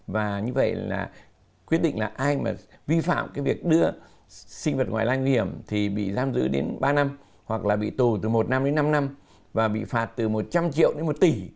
và như vậy là quyết định là ai mà vi phạm cái việc đưa sinh vật ngoại lai nguy hiểm thì bị giam giữ đến ba năm hoặc là bị tù từ một năm đến năm năm và bị phạt từ một trăm linh triệu đến một tỷ